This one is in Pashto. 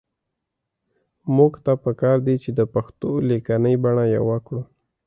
موږ ته پکار دي چې د پښتو لیکنۍ بڼه يوه کړو